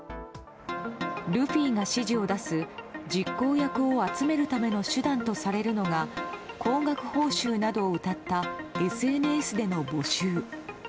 ルフィが指示を出す実行役を集めるための手段とされるのが高額報酬などをうたったＳＮＳでの募集。